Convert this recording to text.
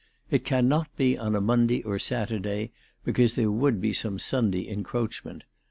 It cannot be on a Monday or Saturday be cause there would be some Sunday encroachment.